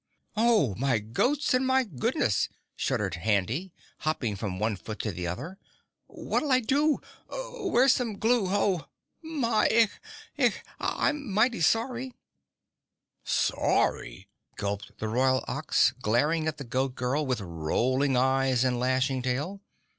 "Oh my goats and my goodness!" shuddered Handy hopping from one foot to the other. "What'll I do? Where's some glue? Oh My igh igh! I'm mighty sorry!" "Sorry!" gulped the Royal Ox, glaring at the Goat Girl with rolling eyes and lashing tail.